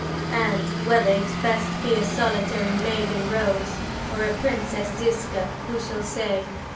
And whether it is best to be a solitary 'maiden rose' or a Princess Ziska, who shall say?